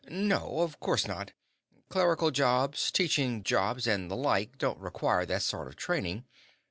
"No, of course not. Clerical jobs, teaching jobs, and the like don't require that sort of training.